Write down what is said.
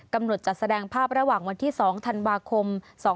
จัดแสดงภาพระหว่างวันที่๒ธันวาคม๒๕๖